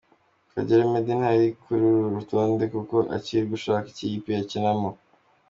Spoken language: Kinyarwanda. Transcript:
Kagere Meddie ntari kuri uru rutonde kuko akiri gushaka ikipe yakinamo.